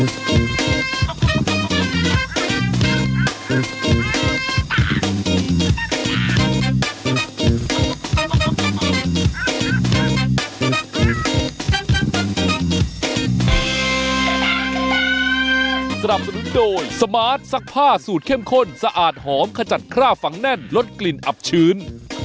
สนับสนุนโดยสมาร์ทซักผ้าสูตรเข้มข้นสะอาดหอมขจัดคราบฝังแน่นลดกลิ่นอับชื้น